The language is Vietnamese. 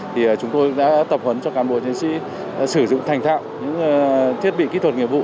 thì chúng tôi đã tập huấn cho cán bộ chiến sĩ sử dụng thành thạo những thiết bị kỹ thuật nghiệp vụ